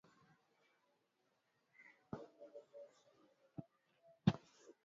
kila mwaka na milioni moja hufa kwa masaa